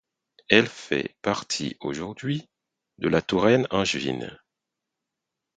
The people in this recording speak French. Elle fait partie aujourd'hui de la Touraine angevine.